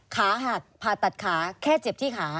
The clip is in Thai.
ขาหักผ่าตัดขาแค่เจ็บที่ขา